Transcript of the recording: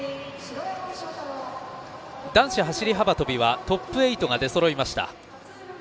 男子走り幅跳びはトップ８が出そろいました。